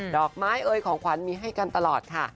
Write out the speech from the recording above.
ดอกไม้เอ่ยของขวัญมีให้กันตลอดค่ะ